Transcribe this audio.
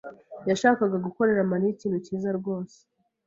yashakaga gukorera Mariya ikintu cyiza rwose.